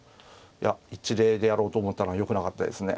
いや一例でやろうと思ったのはよくなかったですね。